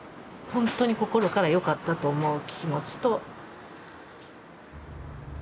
ほんとに心からよかったと思う気持ちと。